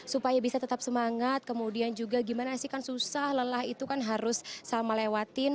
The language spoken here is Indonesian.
supaya bisa tetap semangat kemudian juga gimana sih kan susah lelah itu kan harus salma lewatin